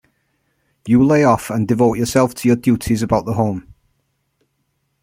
You lay off and devote yourself to your duties about the home.